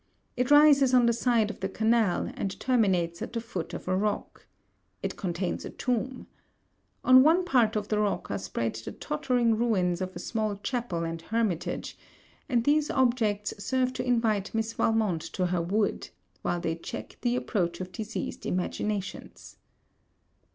It rises on the side of the canal, and terminates at the foot of a rock. It contains a tomb. On one part of the rock are spread the tottering ruins of a small chapel and hermitage, and these objects serve to invite Miss Valmont to her wood, while they check the approach of diseased imaginations.'